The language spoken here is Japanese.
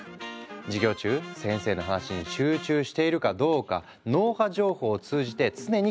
授業中先生の話に集中しているかどうか脳波情報を通じて常に監視されているんだ。